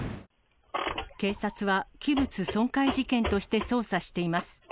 警察は器物損壊事件として捜査しています。